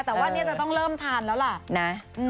แต่ว่าต้องเริ่มทานแล้วล่ะ